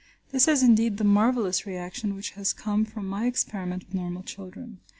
This is, indeed, the marvellous reaction which has come from my experiment with normal children.